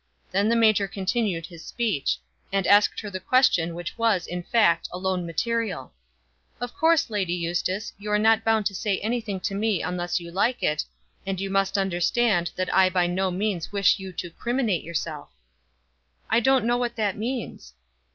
Then the major continued his speech, and asked her the question which was, in fact, alone material. "Of course, Lady Eustace, you are not bound to say anything to me unless you like it, and you must understand that I by no means wish you to criminate yourself." "I don't know what that means."